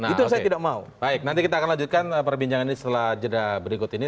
itu saya tidak mau baik nanti kita akan lanjutkan perbincangan ini setelah jeda berikut ini